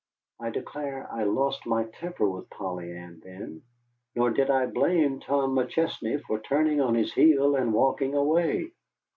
I declare I lost my temper with Polly Ann then, nor did I blame Tom McChesney for turning on his heel and walking away.